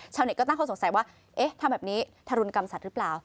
ชาวเน็ตก็ตั้งข้อสงสัยว่าเอ๊ะทำแบบนี้ทารุณกรรมสัตว์หรือเปล่า